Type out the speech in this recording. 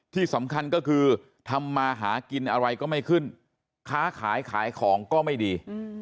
ที่สำคัญก็คือทำมาหากินอะไรก็ไม่ขึ้นค้าขายขายของก็ไม่ดี